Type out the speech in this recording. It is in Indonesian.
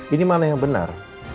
ini mana yang benar